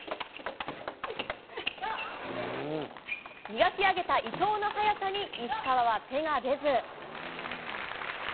磨き上げた伊藤の速さに石川は手が出ず。